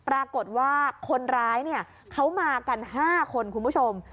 ปรากฏว่าคนร้ายเนี่ยเขามากัน๕คนคุณผู้ชม